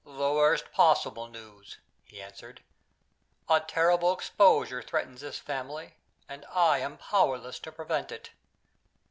"The worst possible news," he answered. "A terrible exposure threatens this family, and I am powerless to prevent it."